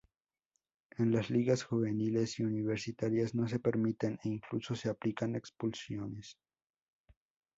En las ligas juveniles y universitarias no se permiten, e incluso se aplican expulsiones.